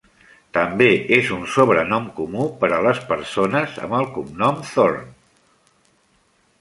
També és un sobrenom comú per a les persones amb el cognom Thorne.